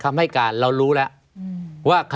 ไม่มีครับไม่มีครับ